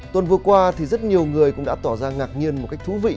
tuần vừa qua thì rất nhiều người cũng đã tỏ ra ngạc nhiên một cách thú vị